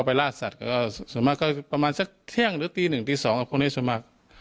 ล่าสัตว์ก็ส่วนมากก็ประมาณสักเที่ยงหรือตีหนึ่งตีสองกับคนในส่วนมาก